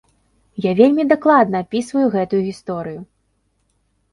Я вельмі дакладна апісваю гэтую гісторыю.